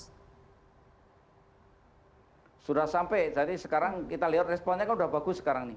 sudah sampai jadi sekarang kita lihat responnya kan sudah bagus sekarang nih